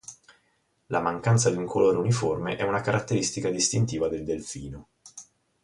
La mancanza di un colore uniforme è una caratteristica distintiva del delfino.